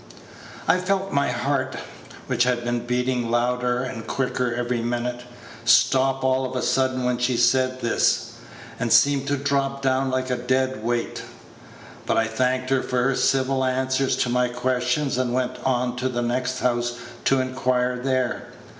I felt my heart, which had been beatin' louder and quicker every minute, stop all of a sudden when she said this, and seem to drop down like a dead weight; but I thanked her for her civil answers to my questions, and went on to the next house to inquire there.